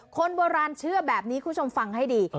คนโบราณเชื่อแบบนี้คุณผู้ชมฟังให้ดี